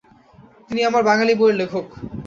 তিনি আমরা বাঙালি বইয়ের লেখক।